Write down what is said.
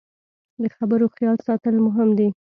د خبرو خیال ساتل مهم دي